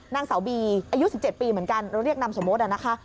นางสาวบีอายุ๑๗ปีเหมือนกันเราเรียกนามสมมุตินะคะ